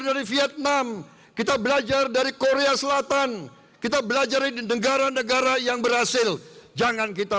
dari vietnam kita belajar dari korea selatan kita belajar di negara negara yang berhasil jangan kita